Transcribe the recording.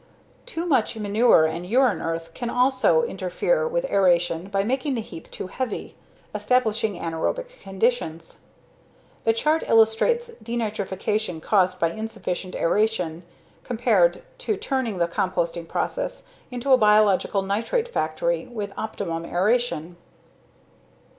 Too much manure and urine earth can also interfere with aeration by making the heap too heavy, establishing anaerobic conditions. The chart illustrates denitrification caused by insufficient aeration compared to turning the composting process into a biological nitrate factory with optimum aeration.